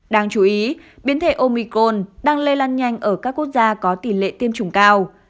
đáng chú ý biến thể omicol đang lây lan nhanh ở các quốc gia có tỷ lệ tiêm chủng cao